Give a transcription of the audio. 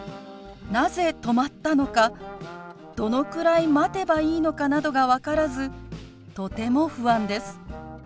なぜ止まったのかどのくらい待てばいいのかなどが分からずとても不安です。